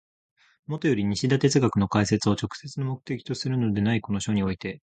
もとより西田哲学の解説を直接の目的とするのでないこの書において、